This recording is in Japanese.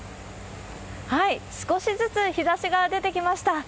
少しずつ日ざしが出てきました。